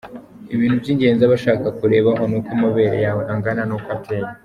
Ibintu by’ingenzi aba ashaka kurebaho ni uko amabere yawe angana, nuko ateye.